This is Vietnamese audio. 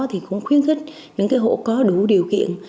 thì cũng khuyến khích những cái hộ có đủ điều kiện